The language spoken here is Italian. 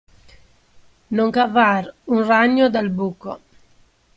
Non cavar un ragno dal buco.